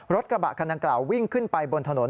รถกระบะคันดังกล่าววิ่งขึ้นไปบนถนน